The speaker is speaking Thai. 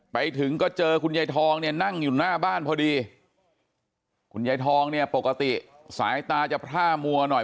ไปถึงก็เจอคุณยายทองเนี่ยนั่งอยู่หน้าบ้านพอดีคุณยายทองเนี่ยปกติสายตาจะพร่ามัวหน่อย